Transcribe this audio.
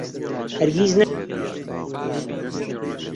هەرگیز نەمبینیوە ئەوەندە تووڕە بێت.